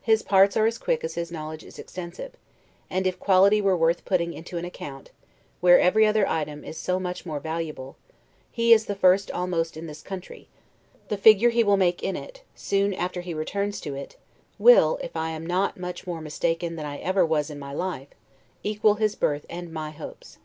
His parts are as quick as his knowledge is extensive; and if quality were worth putting into an account, where every other item is so much more valuable, he is the first almost in this country: the figure he will make in it, soon after he returns to it, will, if I am not more mistaken than ever I was in my life, equal his birth and my hopes.